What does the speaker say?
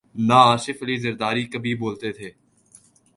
نہ آصف علی زرداری کبھی بولتے تھے۔